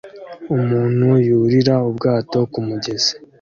umuntu yurira ubwato kumugezi